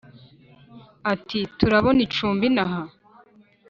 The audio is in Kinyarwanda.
ati"turabona icumbi inaha?"